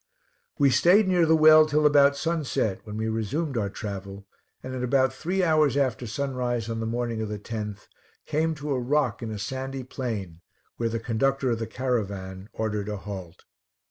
We stayed near the well till about sunset, when we resumed our travel, and at about three hours after sunrise on the morning of the 10th, came to a rock in a sandy plain, where the conductor of the caravan ordered a halt.